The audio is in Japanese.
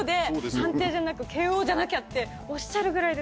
判定じゃなくＫＯじゃなきゃとおっしゃるぐらいですから。